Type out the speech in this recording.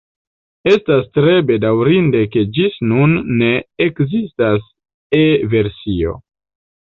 Estas tre bedaŭrinde ke ĝis nun ne ekzistas E-versio.